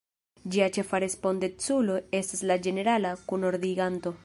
Ĝia ĉefa respondeculo estas la Ĝenerala Kunordiganto.